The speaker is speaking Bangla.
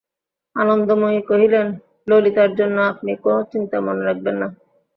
আনন্দময়ী কহিলেন, ললিতার জন্যে আপনি কোনো চিন্তা মনে রাখবেন না।